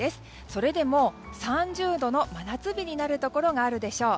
それでも３０度の真夏日になるところがあるでしょう。